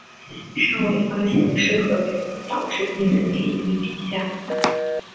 尚未发现是何原因导致病人免疫力低下。